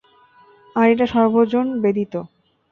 আর এটা সর্বজন বেদিত।